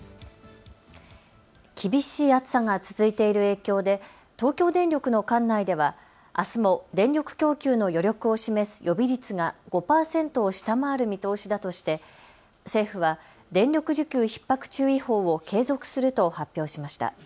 厳しい暑さが続いている影響で東京電力の管内では、あすも電力供給の余力を示す予備率が５％を下回る見通しだとして政府は電力需給ひっ迫注意報を継続すると発表しました。